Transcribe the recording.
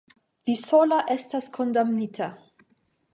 vi sola estas kondamnita!